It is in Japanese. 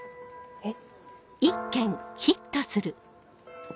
えっ。